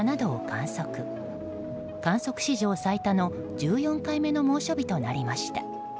観測史上最多の１４回目の猛暑日となりました。